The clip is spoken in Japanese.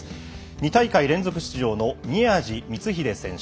２大会連続出場の宮路満英選手。